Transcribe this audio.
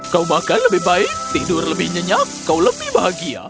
kau makan lebih baik tidur lebih nyenyak kau lebih bahagia